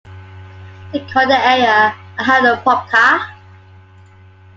They called the area "Ahapopka".